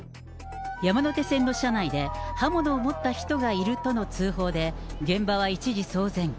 山手線の車内で刃物を持った人がいるとの通報で、現場は一時騒然。